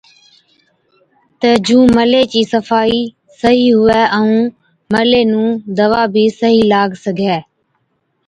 تہ جُون ملي چِي صفائِي صحِيح هُوَي ائُون ملي نُون دَوا بِي صحِيح لاگ سِگھَي۔